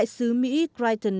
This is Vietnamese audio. của việc phát triển